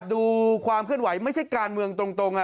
ดูความเคลื่อนไหวไม่ใช่การเมืองตรง